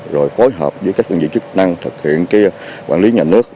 rồi phối hợp với các dân dịch chức năng thực hiện quản lý nhà nước